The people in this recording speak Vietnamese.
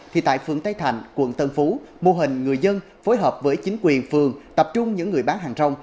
thì tại phường tây thành quận tân phú mô hình người dân phối hợp với chính quyền phường tập trung những người bán hàng rong